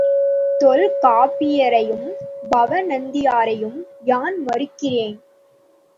தொல்காப்பியரையும் பவணந்தியாரையும் யான் மறுக்கிறேன்.